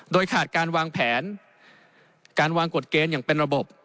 โดยขาดการวางแผนการวางกฎเกณฑ์อย่างเป็นระบบ